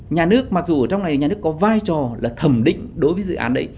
nhà nước mặc dù ở trong này nhà nước có vai trò là thẩm định đối với dự án đấy